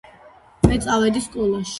მე წავედი სკოლაში